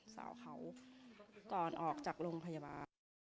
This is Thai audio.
สาวเขาก่อนออกจากโรงพยาบาล